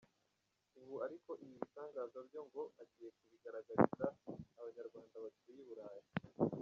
Ubu ariko, ibi bitangaza byose ngo agiye kubigaragariza n’Abanyarwanda batuye i Burayi.